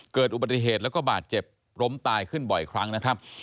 เกิดอุบัติเหตุแล้วก็บาดเจ็บล้มตายขึ้นบ่อยครั้งนะครับ